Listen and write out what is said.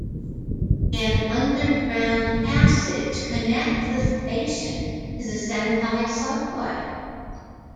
An underground passage connects the station to the Sendai Subway.